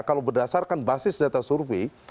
kalau berdasarkan basis data survei